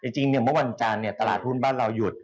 จริงเมื่อวันจานตลาดหุ้นบ้านเราหยุด